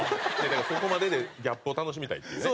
だからそこまででギャップを楽しみたいっていうね。